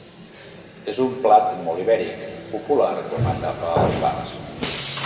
És un plat molt ibèric, popular com a tapa als bars.